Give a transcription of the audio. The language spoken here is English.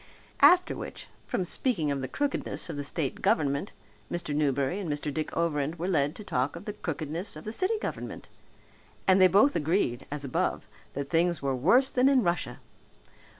After which, from speaking of the crookedness of the state government Mr. Newberry and Mr. Dick Overend were led to talk of the crookedness of the city government! And they both agreed, as above, that things were worse than in Russia.